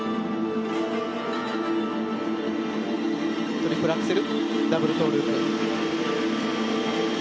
トリプルアクセルダブルトウループ。